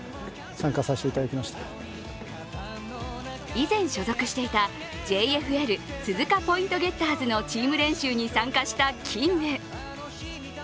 以前所属していたＪＦＬ・鈴鹿ポイントゲッターズのチーム練習に参加したキング。